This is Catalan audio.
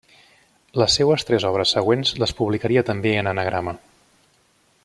Les seues tres obres següents les publicaria també en Anagrama.